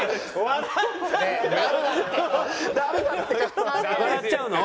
笑っちゃうの？